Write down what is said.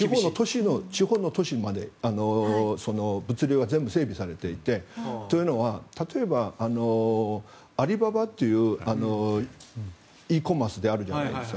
地方の都市まで物流が全部整備されていてというのは例えばアリババというｅコマースであるじゃないですか。